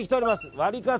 ワリカツ！